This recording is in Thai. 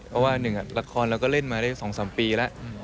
เพราะว่าหนึ่งละครเราก็เล่นมาได้๒๓ปีแล้ว